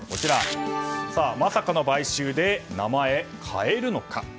まさかの買収名前変えるのか。